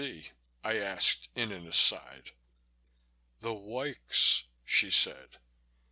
C.?" I asked in an aside. "The woiks," she said.